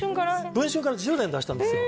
文春から自叙伝出したんですよ